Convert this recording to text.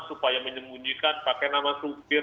supaya menyembunyikan pakai nama supir